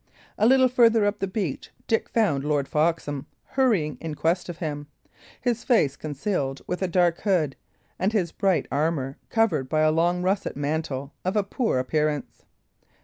A little further up the beach Dick found Lord Foxham hurrying in quest of him, his face concealed with a dark hood, and his bright armour covered by a long russet mantle of a poor appearance.